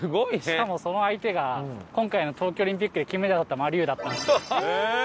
しかもその相手が今回の東京オリンピックで金メダルとった馬龍だったんですよ。ええー！